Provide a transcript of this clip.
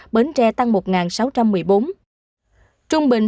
bến tre hai sáu trăm tám mươi sáu